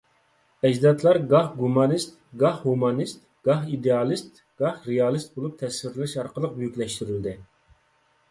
ئەجدادلار گاھ گۇمانىست، گاھ ھۇمانىست، گاھ ئىدېئالىست، گاھ رېئالىست بولۇپ تەسۋىرلىنىش ئارقىلىق بۈيۈكلەشتۈرۈلدى.